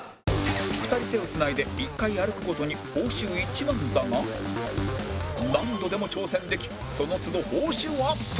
２人手をつないで１回歩くごとに報酬１万だが何度でも挑戦できそのつど報酬アップ